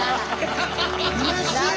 うれしい！